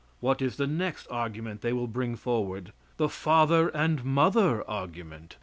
What is the next argument they will bring forward? The father and mother argument.